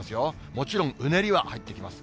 もちろん、うねりは入ってきます。